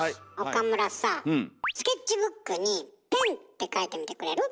岡村さあスケッチブックに「ペン」って書いてみてくれる？